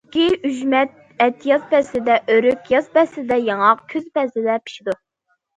چۈنكى ئۈجمە ئەتىياز پەسلىدە، ئۆرۈك ياز پەسلىدە، ياڭاق كۈز پەسلىدە پىشىدۇ.